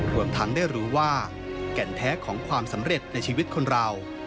รวมทั้งได้รู้ว่าแก่นแท้ของความสำเร็จในชีวิตคนเรา